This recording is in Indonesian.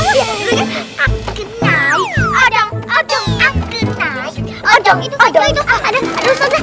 aku naik adeng adeng aku naik adeng adeng